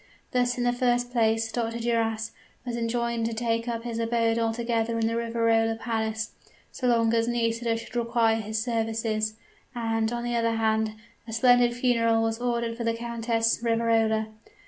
Thus, in the first place, Dr. Duras was enjoined to take up his abode altogether in the Riverola Palace, so long as Nisida should require his services; and, on the other hand, a splendid funeral was ordered for the Countess Riverola.